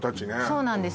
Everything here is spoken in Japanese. そうなんです